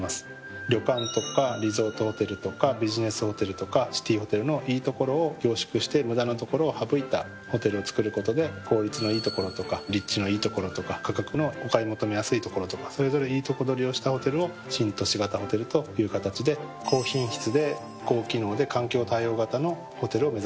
旅館とかリゾートホテルとかビジネスホテルとかシティーホテルのいい所を凝縮して無駄な所を省いたホテルをつくることで効率のいい所とか立地のいい所とか価格のお買い求めやすい所とかそれぞれいいとこ取りをしたホテルを新都市型ホテルという形で高品質で高機能で環境対応型のホテルを目指しております。